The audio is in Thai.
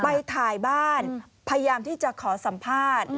ไปถ่ายบ้านพยายามที่จะขอสัมภาษณ์